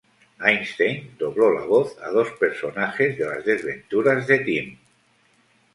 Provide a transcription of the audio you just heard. Einstein dobló la voz a dos personajes de "Las desventuras de Tim".